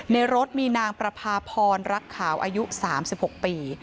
ในรถมีนางประพาพรรักขาวอายุ๓๖ปี